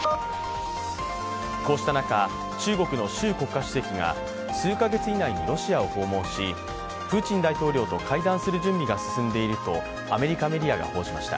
こうした中、中国の習国家主席が数か月以内にロシアを訪問しプーチン大統領と会談する準備が進んでいるとアメリカメディアが報じました。